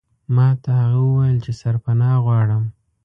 ما هغه ته وویل چې سرپناه غواړم.